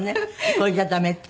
これじゃ駄目って。